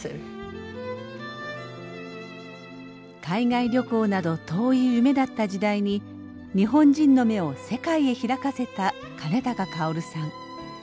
海外旅行など遠い夢だった時代に日本人の目を世界へ開かせた兼高かおるさん。